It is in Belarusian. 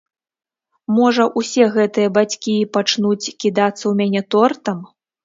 Можа, усе гэтыя бацькі пачнуць кідацца ў мяне тортам?